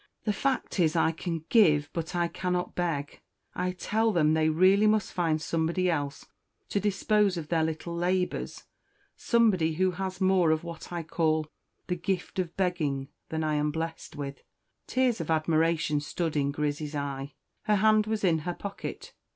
The fact is, I can give, but I cannot beg. I tell them they really must find somebody else to dispose of their little labours somebody who has more of what I call the gift of begging than I am blest with." Tears of admiration stood in Grizzy's eye; her hand was in her pocket.